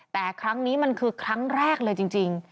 แต่ครั้งนี้มันคือครั้งแรกเลยจริง